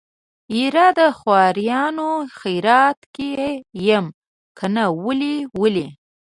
يره د خوريانو خيرات کې يم کنه ولې ولې.